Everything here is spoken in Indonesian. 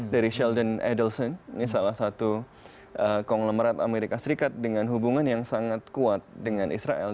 dari shelden edelson ini salah satu konglomerat amerika serikat dengan hubungan yang sangat kuat dengan israel